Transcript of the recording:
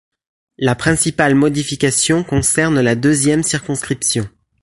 La principale modification concerne la deuxième circonscription.